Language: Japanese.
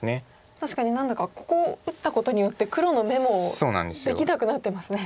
確かに何だかここ打ったことによって黒の眼もできなくなってますね。